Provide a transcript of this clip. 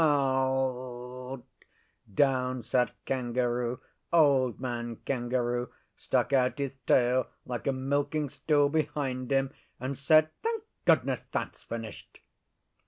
Down sat Kangaroo Old Man Kangaroo stuck out his tail like a milking stool behind him, and said, 'Thank goodness that's finished!